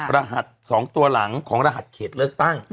รหัส๒ตัวหลังของรหัสเขตเลือกตั้ง